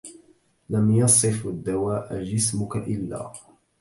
لم يصف الدواء جسمك إلا